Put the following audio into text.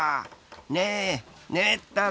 ねえ、ねえったら。